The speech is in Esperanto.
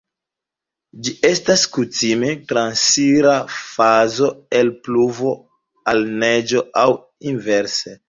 Ĝi estas kutime transira fazo el pluvo al neĝo aŭ inverse.